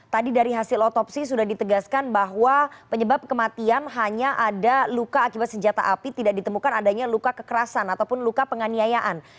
tadi dari hasil otopsi sudah ditegaskan bahwa penyebab kematian hanya ada luka akibat senjata api tidak ditemukan adanya luka kekerasan ataupun luka penganiayaan